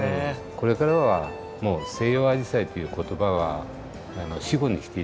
これからはもう「西洋アジサイ」という言葉は死語にして頂いて。